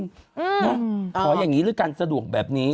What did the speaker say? ขออย่างนี้ด้วยกันสะดวกแบบนี้